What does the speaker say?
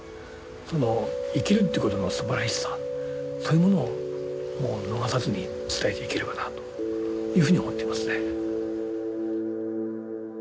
その生きるってことのすばらしさそういうものをもう逃さずに伝えていければなというふうに思っていますね。